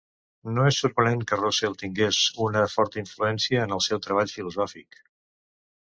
No és sorprenent que Russell tingués una forta influència en el seu treball filosòfic.